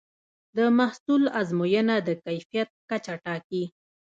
د محصول ازموینه د کیفیت کچه ټاکي.